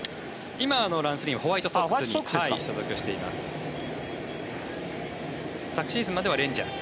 今、ランス・リンホワイトソックスに所属しています。